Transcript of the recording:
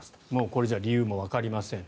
これじゃ理由もわかりません。